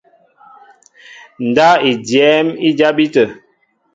Ndáp i dyɛ́ɛ́m i jabí tə̂.